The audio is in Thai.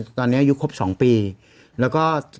พี่ปั๊ดเดี๋ยวมาที่ร้องให้